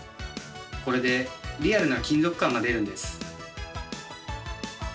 これでリアルな金属感が出るんです。